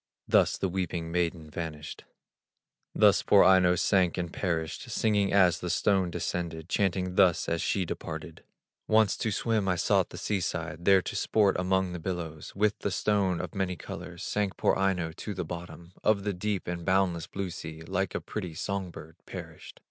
Thus the weeping maiden vanished, Thus poor Aino sank and perished, Singing as the stone descended, Chanting thus as she departed: "Once to swim I sought the sea side, There to sport among the billows; With the stone of many colors Sank poor Aino to the bottom Of the deep and boundless blue sea, Like a pretty son bird perished.